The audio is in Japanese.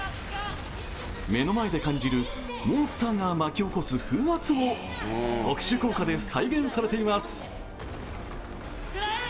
目の前で感じるモンスターが巻き起こす風圧も特殊効果で再現されています。